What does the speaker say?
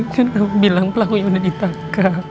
kan kamu bilang pelakunya udah ditangkap